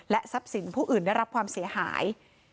ทรัพย์สินผู้อื่นได้รับความเสียหาย